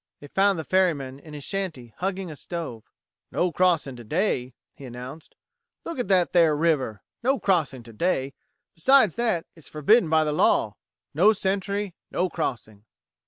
They found the ferryman in his shanty, hugging a stove. "No crossing today," he announced. "Look at that there river. No crossing today. Besides that, it's forbidden by the law. No Sentry, no crossing."